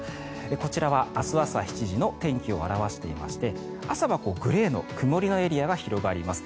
こちらは明日朝７時の天気を表していまして朝はグレーの曇りのエリアが広がります。